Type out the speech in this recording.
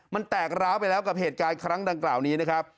มันแตกร้าวไปแล้วกับเหตุการณ์ครั้งดังกล่าวนี้นะครับ